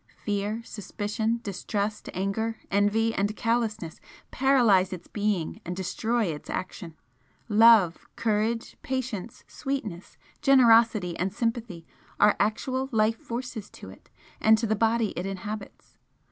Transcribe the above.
Fear, suspicion, distrust, anger, envy and callousness paralyse its being and destroy its action, love, courage, patience, sweetness, generosity and sympathy are actual life forces to it and to the body it inhabits.